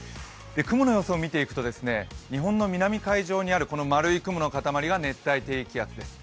雲の様子を見ていくと日本の南海上にある丸い雲の塊が熱帯低気圧です。